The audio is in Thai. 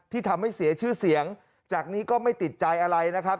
ทำให้เสียชื่อเสียงจากนี้ก็ไม่ติดใจอะไรนะครับ